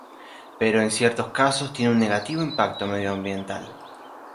Pero en ciertos casos tiene un negativo impacto medioambiental.